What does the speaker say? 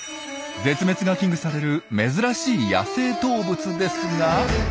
絶滅が危惧される珍しい野生動物ですが。